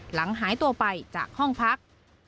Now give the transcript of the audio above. หลังหายตัวไปจากห้องพัก